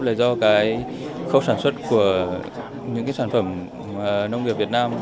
là do khâu sản xuất của những sản phẩm nông nghiệp việt nam